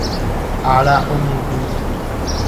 Ára omimbi